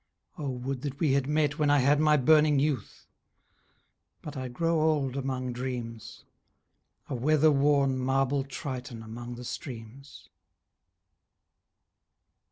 O would that we had met When I had my burning youth; But I grow old among dreams, A weather worn, marble triton Among the streams.